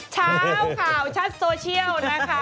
เช้าข่าวชัดโซเชียลนะคะ